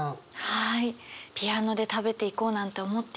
はい。